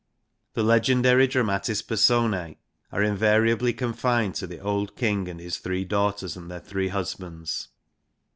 The legendary dramatis personas are in variably confined to the old King and his three daughters and their three husbands.